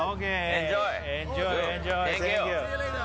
エンジョイ！